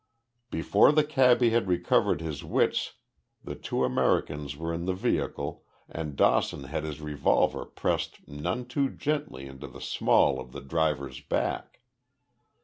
Before the cabby had recovered his wits the two Americans were in the vehicle and Dawson had his revolver pressed none too gently into the small of the driver's back.